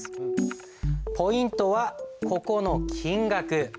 ポイントはここの金額。